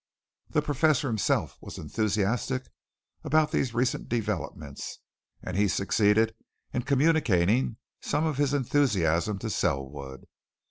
The Professor himself was enthusiastic about these recent developments, and he succeeded in communicating some of his enthusiasm to Selwood.